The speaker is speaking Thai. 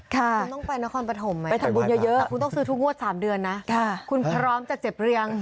ค่ะไปทำบุญเยอะคุณต้องซื้อทุ่งงวด๓เดือนนะคุณพร้อมจะเจ็บเรียง